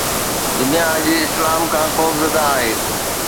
دنيا اڄ اسلام کان خوفزده آهي.